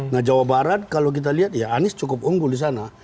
nah jawa barat kalau kita lihat ya anies cukup unggul di sana